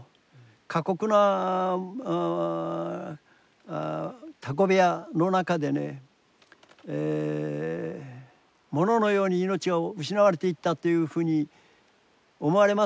過酷なタコ部屋の中でね物のように命が失われていったというふうに思われますね。